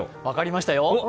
分かりましたよ。